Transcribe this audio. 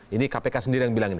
ini kpk sendiri yang bilang ini